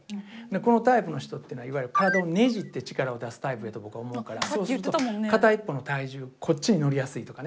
このタイプの人っていうのはいわゆる体をねじって力を出すタイプやと僕は思うからそうすると片一方の体重こっちに乗りやすいとかね